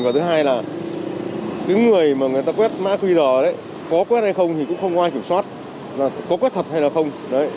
và thứ hai là cái người mà người ta quét mã qr đấy có quét hay không thì cũng không ai kiểm soát là có quét thật hay là không đấy